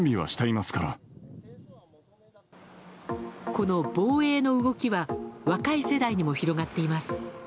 この防衛の動きは若い世代にも広がっています。